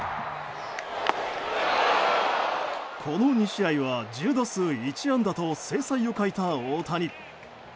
この２試合は１０打数１安打と精彩を欠いた大谷。